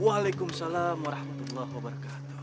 waalaikumsalam warahmatullahi wabarakatuh